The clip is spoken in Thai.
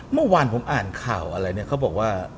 เมื่อวานผมอ่านข่าวอะไรเนี่ยเขาบอกว่า